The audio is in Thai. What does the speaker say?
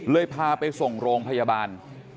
พาไปส่งโรงพยาบาล